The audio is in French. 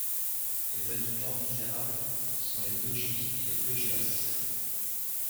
Les habitants d'Isérables sont les Bedjuis et les Bedjuasses.